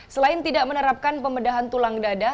selain tidak menerapkan pembedahan tulang dada